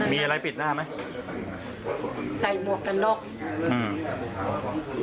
มีอะไรปิดหน้าไหมใส่หมวกกันน็อกอืม